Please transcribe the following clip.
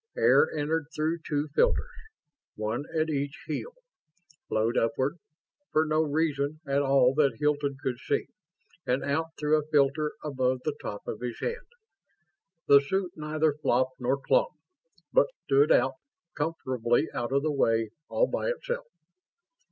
Air entered through two filters, one at each heel, flowed upward for no reason at all that Hilton could see and out through a filter above the top of his head. The suit neither flopped nor clung, but stood out, comfortably out of the way, all by itself.